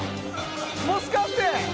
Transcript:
もしかして！